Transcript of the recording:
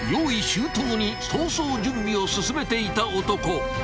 周到に逃走準備を進めていた男］